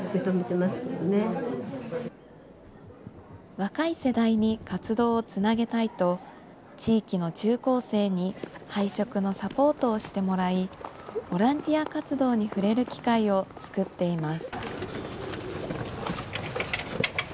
若い世代に活動をつなげたいと、地域の中高生に配食のサポートをしてもらい、ボランティア活動に触れる機会を作っています。